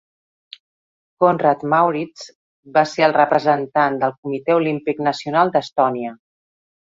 Konrad Mauritz va ser el representant del Comitè Olímpic Nacional d'Estònia.